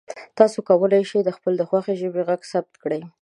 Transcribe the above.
تاسو کولی شئ د خپلې خوښې ژبې غږ ثبت کړئ.